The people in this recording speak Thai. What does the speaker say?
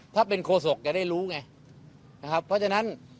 ถ้าเป็นโคศกจะได้รู้ไงนะครับเพราะฉะนั้น